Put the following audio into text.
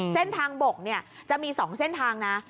เส้นทางบกจะมี๒เส้นทางนะ